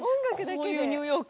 こういうニューヨーク。